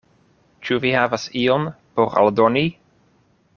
Ĉu vi havas ion por aldoni?